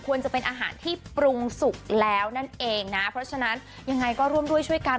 จะเป็นอาหารที่ปรุงสุกแล้วนั่นเองนะเพราะฉะนั้นยังไงก็ร่วมด้วยช่วยกัน